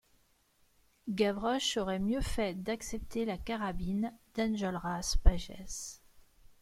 Gavroche aurait mieux fait d’accepter la carabine d’Enjolras Pages.